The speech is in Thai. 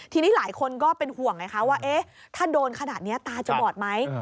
ทีนี้หลายคนก็เป็นห่วงไงคะว่าถ้าโดนขนาดนี้ตาจะบอดไหม